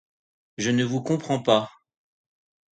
Je ne vous comprends pas